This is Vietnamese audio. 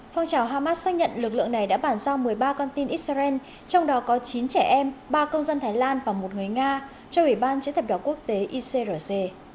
phong trào hamas xác nhận lực lượng này đã bản giao một mươi ba con tin israel trong đó có chín trẻ em ba công dân thái lan và một người nga cho ủy ban chế thập đỏ quốc tế icrc